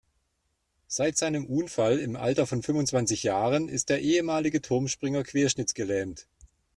Seit seinem Unfall im Alter von fünfundzwanzig Jahren ist der ehemalige Turmspringer querschnittsgelähmt.